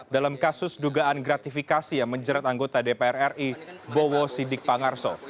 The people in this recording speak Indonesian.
dalam kasus dugaan gratifikasi yang menjerat anggota dpr ri bowo sidik pangarso